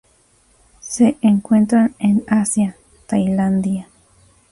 Se encuentran en Asia: Tailandia.